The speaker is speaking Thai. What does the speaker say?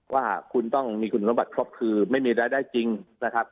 ว่าคุณต้องมีคุณสมบัติครบคือไม่มีรายได้จริงนะครับ